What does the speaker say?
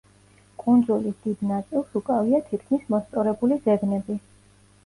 კუნძულის დიდ ნაწილს უკავია თითქმის მოსწორებული ზეგნები.